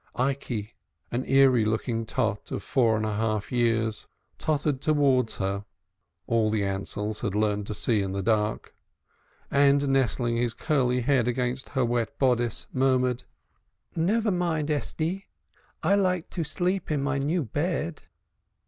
Ikey, an eerie looking dot of four and a half years, tottered towards her (all the Ansells had learnt to see in the dark), and nestling his curly head against her wet bodice, murmured: "Neva mind, Estie, I lat oo teep in my new bed."